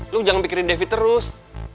lu jangan pikirin devi terus